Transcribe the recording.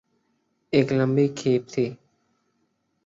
ایک لمبی کھیپ تھی۔